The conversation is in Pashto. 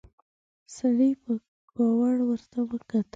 سړي په کاوړ ورته وکتل.